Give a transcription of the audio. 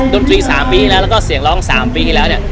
ดนตรี๓ปีแล้วแล้วก็เสียงร้อง๓ปีที่แล้วเนี่ย